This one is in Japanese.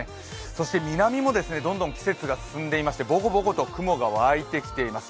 そして南もどんどん季節が進んでいましてボコボコと雲が湧いてきています。